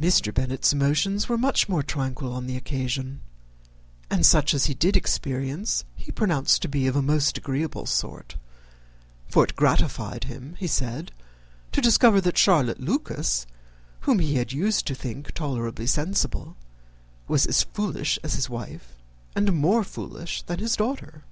Mr. Bennet's emotions were much more tranquil on the occasion, and such as he did experience he pronounced to be of a most agreeable sort; for it gratified him, he said, to discover that Charlotte Lucas, whom he had been used to think tolerably sensible, was as foolish as his wife, and more foolish than his daughter!